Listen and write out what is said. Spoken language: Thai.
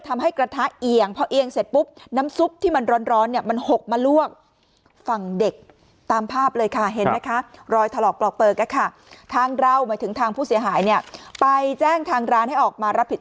มันอย่ามันยก